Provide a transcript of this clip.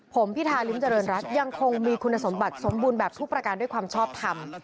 ผมพิธาริมเจริญรัฐยังคงมีคุณสมบัติสมบูรณ์แบบทุกประการด้วยความชอบทำ